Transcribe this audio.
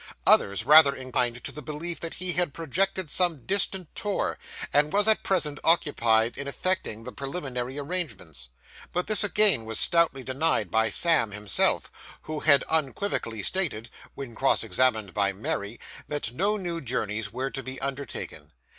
Others rather inclined to the belief that he had projected some distant tour, and was at present occupied in effecting the preliminary arrangements; but this again was stoutly denied by Sam himself, who had unequivocally stated, when cross examined by Mary, that no new journeys were to be undertaken.